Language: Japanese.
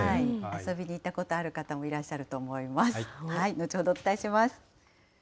遊びに行ったことのある方もいらっしゃると思います。